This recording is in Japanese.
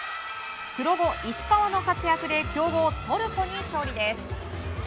黒後、石川の活躍で強豪トルコに勝利です。